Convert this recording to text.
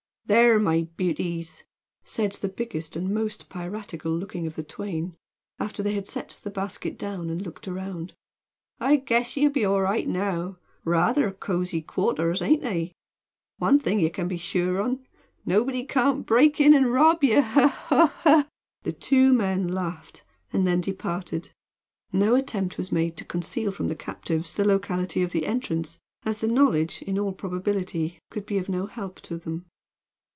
"There, my beauties," said the biggest and most piratical looking of the twain, after they had set the basket down and looked around, "I guess ye'll be all right now. Rather cosy quarters, aint they? One thing ye ken be sure on nobody can't break in, an' rob ye! Ho! ho! ho!" The two men laughed and then departed. No attempt was made to conceal from the captives the locality of the entrance, as the knowledge, in all probability, could be of no help to them.